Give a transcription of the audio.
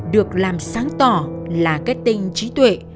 được làm sáng tỏa là cái tinh trí tuệ